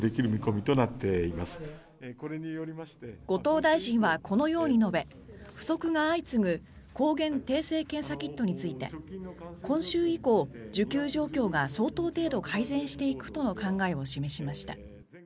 後藤大臣はこのように述べ不足が相次ぐ抗原定性検査キットについて今週以降、需給状況が相当程度改善していくとの考えを示しました。